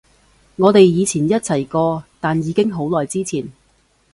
我哋以前一齊過，但已經好耐之前